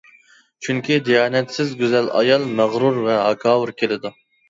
چۈنكى، دىيانەتسىز گۈزەل ئايال مەغرۇر ۋە ھاكاۋۇر كېلىدۇ.